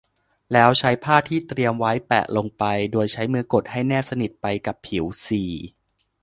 แล้วใช้ผ้าที่เตรียมไว้แปะลงไปโดยใช้มือกดให้แนบสนิทไปกับผิว สี่